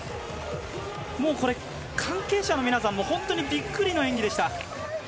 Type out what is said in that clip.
関係者の皆さんも本当にビックリの演技でした。